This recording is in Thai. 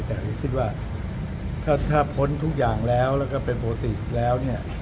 แต่คิดว่าถ้าพ้นทุกอย่างแล้วแล้วก็เป็นปกติแล้วเนี่ย